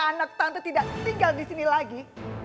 anak tante tidak tinggal disini lagi